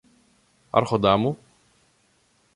Άρχοντα μου;